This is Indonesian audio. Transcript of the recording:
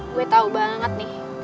gue tau banget nih